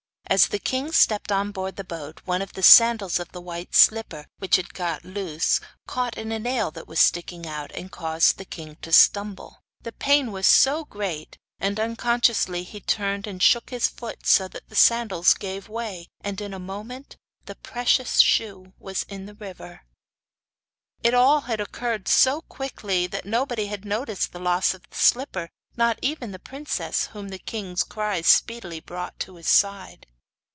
As the king stepped on board the boat one of the sandals of the white slipper, which had got loose, caught in a nail that was sticking out, and caused the king to stumble. The pain was great, and unconsciously he turned and shook his foot, so that the sandals gave way, and in a moment the precious shoe was in the river. It had all occurred so quickly that nobody had noticed the loss of the slipper, not even the princess, whom the king's cries speedily brought to his side.